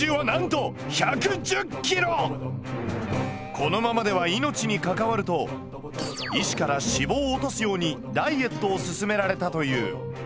このままでは命に関わると医師から脂肪を落とすようにダイエットを勧められたという。